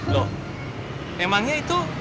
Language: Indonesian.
loh emangnya itu